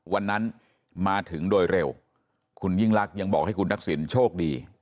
วันนั้นมาถึงโดยเร็วคุณยิ่งลักษณ์ยังบอกให้คุณทักษิณโชคดี